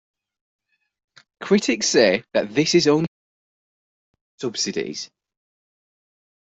Critics say that this is only possible through subsidies.